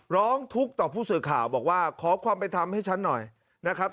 ร้องทุกข์ต่อผู้สื่อข่าวบอกว่าขอความเป็นธรรมให้ฉันหน่อยนะครับ